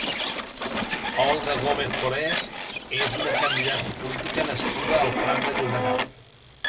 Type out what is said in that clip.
Olga Gómez Forés és una candidata política nascuda al Prat de Llobregat.